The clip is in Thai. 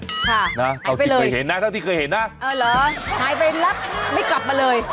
เอาไปเลยเคยเห็นนะเท่าที่เคยเห็นนะเออเหรอหายไปแล้วไม่กลับมาเลย